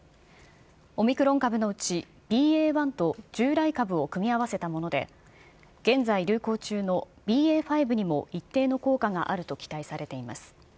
オミクロン株のうち、ＢＡ．１と従来株を組み合わせたもので、現在流行中のＢＡ．５にも一定の効果があると期待されています。